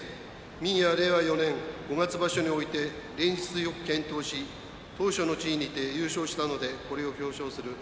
右は令和４年五月場所において連日よく健闘し頭書の地位にて優勝したのでこれを表彰する。